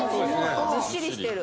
ずっしりしてる。